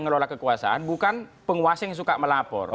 ngelola kekuasaan bukan penguasa yang suka melapor